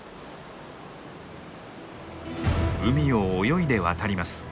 海を泳いで渡ります。